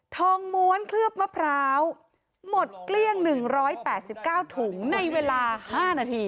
ม้วนเคลือบมะพร้าวหมดเกลี้ยง๑๘๙ถุงในเวลา๕นาที